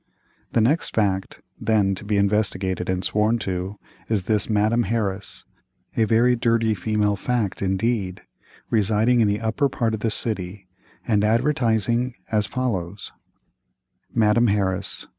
The next fact, then, to be investigated and sworn to, is this Madame Harris, a very dirty female fact indeed, residing in the upper part of the city, and advertising as follows: "MADAME HARRIS.